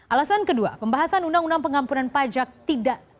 alasan kedua pembahasan undang undang pengampunan pajak tidak